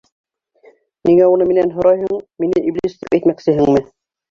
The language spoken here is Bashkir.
— Ниңә уны минән һорайһың, мине Иблис тип әйтмәксеһеңме?